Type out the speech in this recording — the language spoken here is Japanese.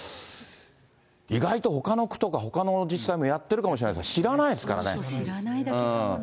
意外とほかの区とか、ほかの自治体もやってるかもしれないけど、知らないだけかもね。